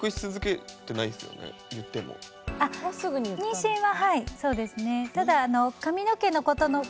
妊娠ははいそうですね。